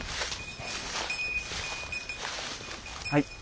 はい。